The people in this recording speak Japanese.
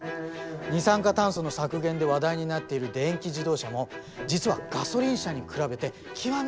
二酸化炭素の削減で話題になっている電気自動車も実はガソリン車に比べて極めて音が静か！